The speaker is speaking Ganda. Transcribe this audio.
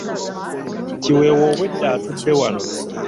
Kiweewa obwedda atudde wano.